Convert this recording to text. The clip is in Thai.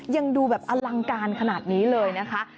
ยังดูแบบอลังการขนาดนี้เลยนะคะ